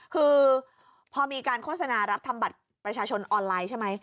คือพอมีการโฆษณารับทำบัตรประชาชนออนไลน์ใช่ไหม